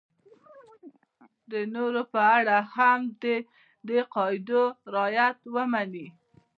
د نورو په اړه هم د دې قاعدو رعایت ومني.